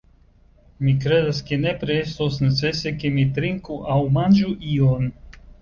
Mi kredas ke nepre estos necese ke mi trinku aŭ manĝu ion.